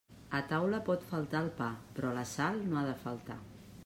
A taula pot faltar el pa, però la sal no ha de faltar.